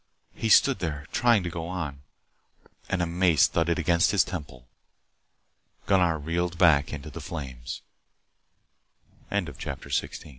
He stood there, trying to go on, and a mace thudded against his temple. Gunnar reeled back into the flames. CHAPTER 17 A deadening qui